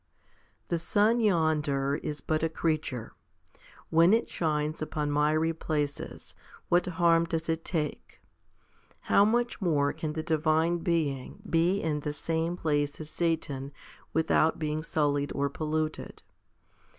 The sun yonder is but a creature. When it shines upon miry places, what harm does it take? How much more can the Divine Being be in the same place as Satan without being sullied or polluted?